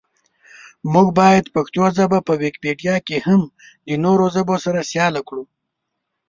مونږ باید پښتو ژبه په ویکیپېډیا کې هم د نورو ژبو سره سیاله کړو.